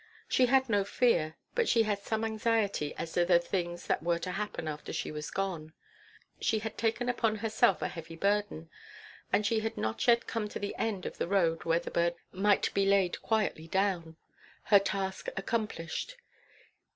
She had no fear, but she had some anxiety as to the things that were to happen after she was gone. She had taken upon herself a heavy burden, and she had not yet come to the end of the road where her burden might be laid quietly down, her task accomplished.